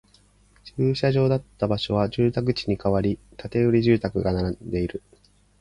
駐車場だった場所は住宅地に変わり、建売住宅が並んでいる